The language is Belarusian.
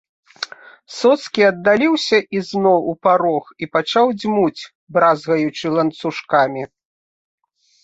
Соцкі аддаліўся ізноў у парог і пачаў дзьмуць, бразгаючы ланцужкамі.